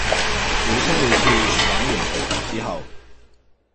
小聰每次玩完皮球之後